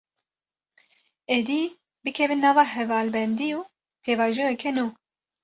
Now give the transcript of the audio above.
Êdî, bikevin nava hevalbendî û pêvajoyeke nû